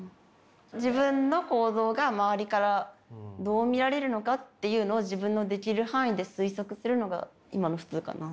自分の行動が周りからどう見られるのかっていうのを自分のできる範囲で推測するのが今の普通かな。